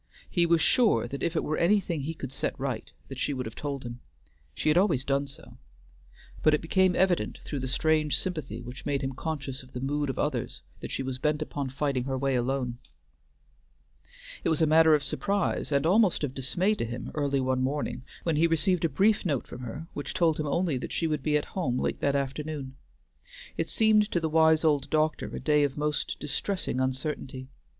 He was sure that if it were anything he could set right, that she would have told him. She had always done so; but it became evident through the strange sympathy which made him conscious of the mood of others that she was bent upon fighting her way alone. It was a matter of surprise, and almost of dismay to him early one morning, when he received a brief note from her which told him only that she should be at home late that afternoon. It seemed to the wise old doctor a day of most distressing uncertainty.